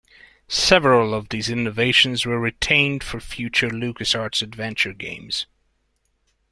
Several of these innovations were retained for future LucasArts adventure games.